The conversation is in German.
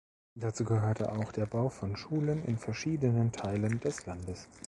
Dazu gehörte auch der Bau von Schulen in verschiedenen Teilen des Landes.